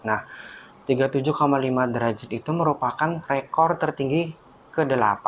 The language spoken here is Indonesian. nah tiga puluh tujuh lima derajat itu merupakan rekor tertinggi ke delapan